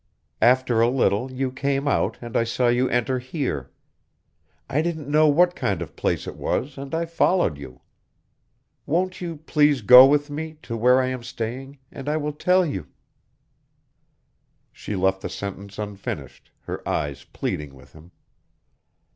After a little you came out and I saw you enter here. I didn't know what kind of place it was and I followed you. Won't you please go with me to where I am staying and I will tell you " She left the sentence unfinished, her eyes pleading with him.